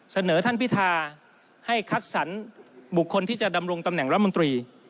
เสนอท่านพิธาให้คัดสรรบุคคลที่จะดำรงตำแหน่งรัฐมนตรี